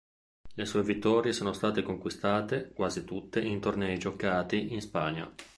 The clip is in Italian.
Le sue vittorie sono state conquistate quasi tutte in tornei giocati in Spagna.